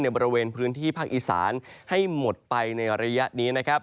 บริเวณพื้นที่ภาคอีสานให้หมดไปในระยะนี้นะครับ